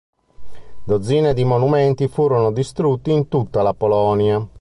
Dozzine di monumenti furono distrutti in tutta la Polonia.